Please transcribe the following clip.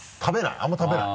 あんまり食べない？